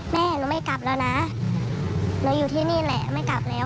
แม่หนูไม่กลับแล้วนะหนูอยู่ที่นี่แหละไม่กลับแล้ว